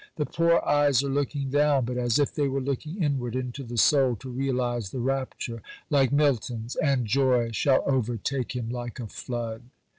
The poor eyes are looking down, but as if they were looking inward into the soul to realize the rapture like Milton's "And joy shall overtake him like a flood."